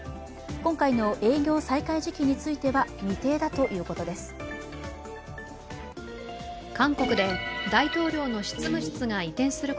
今回の営業再開時期については未定だということです。